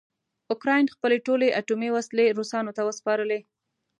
اوکراین خپلې ټولې اټومي وسلې روسانو ته وسپارلې.